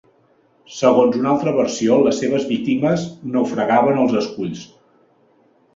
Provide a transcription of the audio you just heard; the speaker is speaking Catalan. Segons una altra versió les seves víctimes naufragaven als esculls.